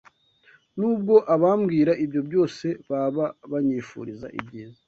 Nubwo abambwira ibyo byose baba banyifuriza ibyiza